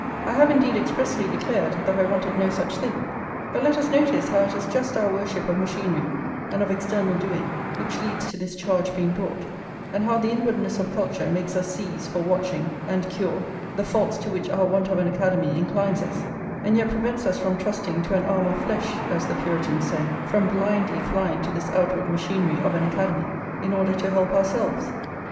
I have indeed expressly declared that I wanted no such thing; but let us notice how it is just our worship of machinery, and of external doing, which leads to this charge being brought; and how the inwardness of culture makes us seize, for watching and cure, the faults to which our want of an Academy inclines us, and yet prevents us from trusting to an arm of flesh, as the Puritans say, from blindly flying to this outward machinery of an Academy, in order to help ourselves.